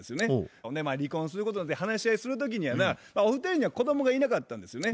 ほんでまあ離婚することで話し合いする時にやなお二人には子供がいなかったんですよね。